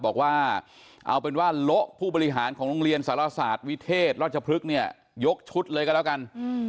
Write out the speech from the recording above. บอกว่าเอาเป็นว่าโละผู้บริหารของโรงเรียนสารศาสตร์วิเทศราชพฤกษ์เนี่ยยกชุดเลยก็แล้วกัน